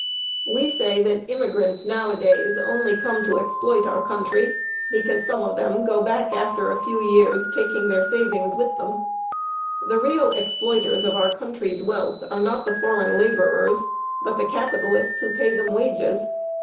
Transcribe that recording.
We say that immigrants nowadays come only to exploit our country, because some of them go back after a few years, taking their savings with them. The real exploiters of our country's wealth are not the foreign laborers, but the capitalists who pay them wages.